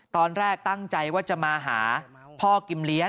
ตอนแรกตั้งใจว่าจะมาหาพ่อกิมเลี้ย